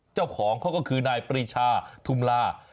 เจ้าของเขาก็คือนายปรีชาทุมลา